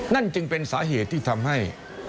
นั่นจึงเป็นสาเหตุที่ทำให้